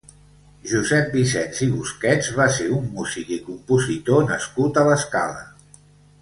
Josep Vicens i Busquets va ser un músic i compositor nascut a l'Escala.